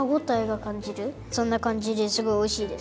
そんなかんじですごいおいしいです。